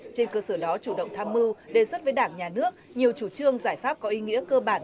trên cơ sở đó chủ động tham mưu đề xuất với đảng nhà nước nhiều chủ trương giải pháp có ý nghĩa cơ bản